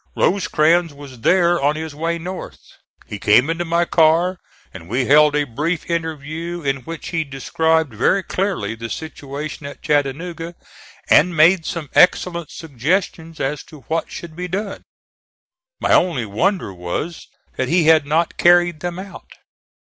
Rosecrans was there on his way north. He came into my car and we held a brief interview, in which he described very clearly the situation at Chattanooga, and made some excellent suggestions as to what should be done. My only wonder was that he had not carried them out.